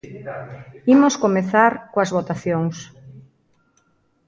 Imos comezar coas votacións.